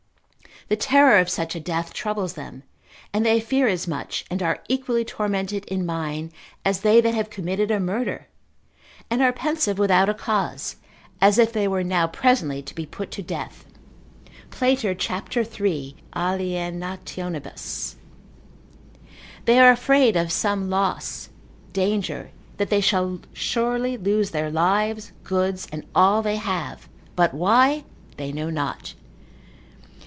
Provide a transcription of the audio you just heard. The terror of such a death troubles them, and they fear as much and are equally tormented in mind, as they that have committed a murder, and are pensive without a cause, as if they were now presently to be put to death. Plater, cap. 3. de mentis alienat. They are afraid of some loss, danger, that they shall surely lose their lives, goods, and all they have, but why they know not.